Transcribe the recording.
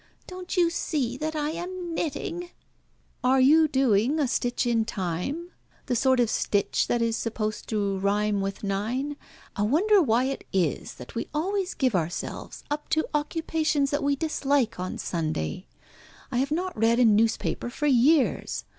"Don't you see that I am knitting?" "Are you doing a stitch in time, the sort of stitch that is supposed to rhyme with nine? I wonder why it is that we always give ourselves up to occupations that we dislike on Sunday. I have not read a newspaper for years.